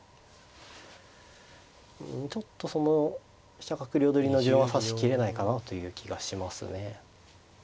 ちょっとその飛車角両取りの順は指しきれないかなという気がしますね。